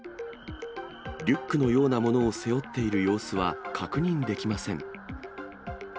リュックのようなものを背負っている様子は確認できません。